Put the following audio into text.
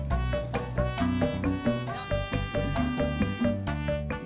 kalau orang yang gak percaya sama orang lain